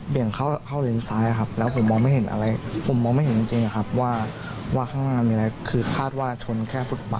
บอกว่าตัวเองมองไม่เห็นจริงไม่เหมาลนะครับผม